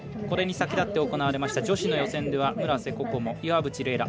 これに先立って行われました女子の予選では村瀬心椛、岩渕麗